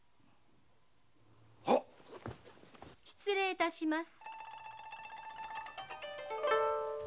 ・失礼いたします。